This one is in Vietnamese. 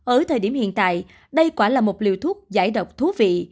ở thời điểm hiện tại đây quả là một liều thuốc giải độc thú vị